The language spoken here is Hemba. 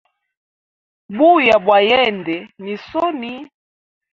Buya bwa yende ni soni.